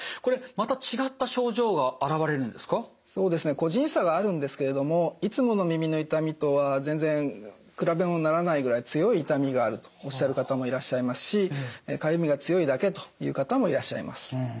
個人差があるんですけれどもいつもの耳の痛みとは全然比べものにならないぐらい強い痛みがあるとおっしゃる方もいらっしゃいますしかゆみが強いだけという方もいらっしゃいます。